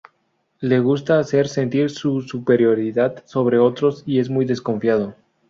Le gusta hacer sentir su superioridad sobre otros y es muy desconfiado.